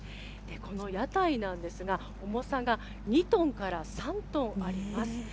この屋台なんですが、重さが２トンから３トンあります。